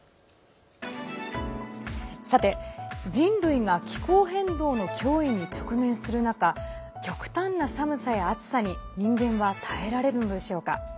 さて、人類が気候変動の脅威に直面する中極端な寒さや暑さに人間は耐えられるのでしょうか。